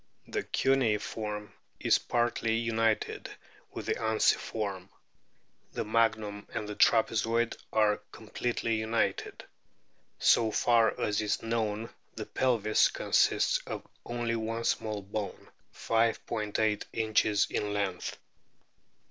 The cuneiform is partly united with the unciform ; the magnum and the trapezoid are com pletely united. So far as is known the pelvis consists of only one small bone, 5 '8 inches in length.